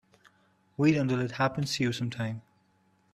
Wait until it happens to you sometime.